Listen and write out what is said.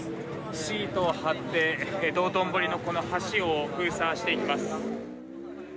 シートを張って、道頓堀のこの橋を封鎖していきます。